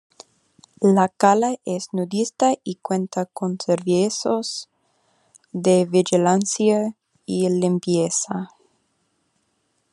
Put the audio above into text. La cala es nudista y cuenta con servicios de vigilancia y limpieza.